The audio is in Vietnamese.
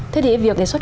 thế thì việc đề xuất